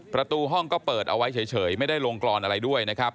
ประตูห้องก็เปิดเอาไว้เฉยไม่ได้ลงกรอนอะไรด้วยนะครับ